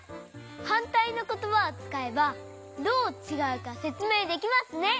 はんたいのことばをつかえばどうちがうかせつめいできますね。